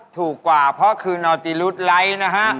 ถูกกว่าเพราะคือนอติรุธไลท์นะฮะ